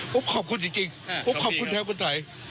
ผมขอบคุณจริงผมขอบคุณแทนคนไทย